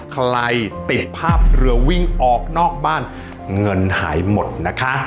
เตะภาพเรือวิ่งออกนอกบ้านเงินหายหมดนะคะ